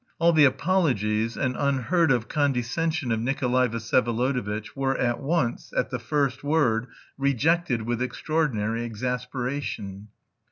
All the apologies and unheard of condescension of Nikolay Vsyevolodovitch were at once, at the first word, rejected with extraordinary exasperation.